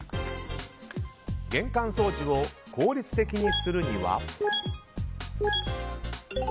玄関掃除を効率的にするには。